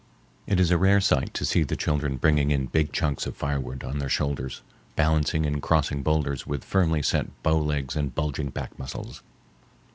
It is a rare sight to see the children bringing in big chunks of firewood on their shoulders, balancing in crossing boulders with firmly set bow legs and bulging back muscles.